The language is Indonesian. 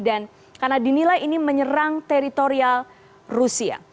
dan karena dinilai ini menyerang teritorial rusia